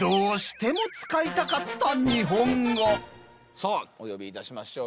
さあお呼びいたしましょう。